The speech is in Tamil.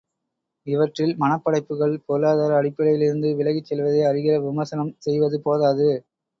இவற்றில் மனப்படைப்புகள், பொருளாதார அடிப்படையிலிருந்து விலகிச் செல்வதை அறிகிற விமர்சனம் செய்வது போதாது.